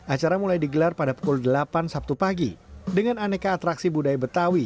acara mulai digelar pada pukul delapan sabtu pagi dengan aneka atraksi budaya betawi